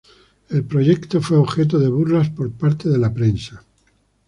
El proyecto fue objeto de burlas por parte de la prensa.